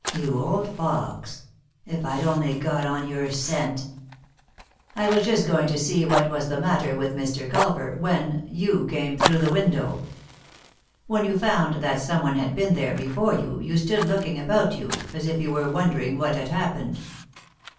You old fox ! If I'd only got on your scent I "" I was just going to see what was the matter with Mr. Culver, when — you came through the window. 3*4 3i 9 iii^d by Google THE INTERRUPTED KISS When you found that someone had been there before you, you stood looking about you, as if you were wondering what had happened."